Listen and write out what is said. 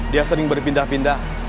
dia sering berpindah pindah